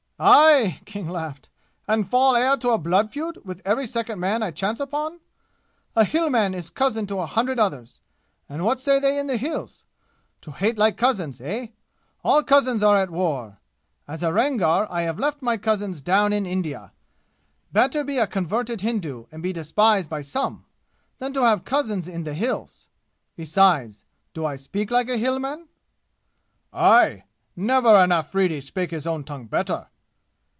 "Aye!" King laughed. "And fall heir to a blood feud with every second man I chance upon! A Hill man is cousin to a hundred others, and what say they in the 'Hills'? 'to hate like cousins,' eh? All cousins are at war. As a Rangar I have left my cousins down in India. Better be a converted Hindu and be despised by some than have cousins in the 'Hills'! Besides do I speak like a Hillman?" "Aye! Never an Afridi spake his own tongue better!"